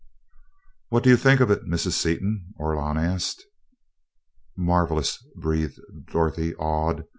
"What do you think of it, Mrs. Seaton?" Orlon asked. "Marvelous!" breathed Dorothy, awed.